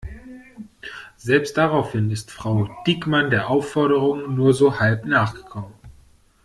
Selbst daraufhin ist Frau Diekmann der Aufforderung nur so halb nachgekommen.